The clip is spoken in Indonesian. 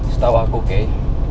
setahu aku kei